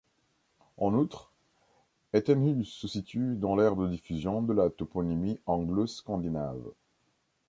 En outre, Étainhus se situe dans l'aire de diffusion de la toponymie anglo-scandinave.